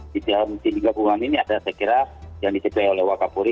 di tim gabungan ini ada saya kira yang disediakan oleh wakaf bori